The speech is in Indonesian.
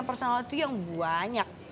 karena itu yang banyak